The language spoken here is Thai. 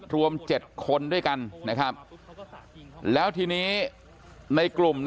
รวม๗คนด้วยกันนะครับแล้วทีนี้ในกลุ่ม